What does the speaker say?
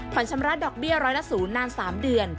ชำระดอกเบี้ยร้อยละ๐นาน๓เดือน